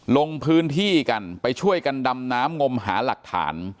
ลงพื้นที่กันไปช่วยกันดำน้ำงมหาหลักฐาน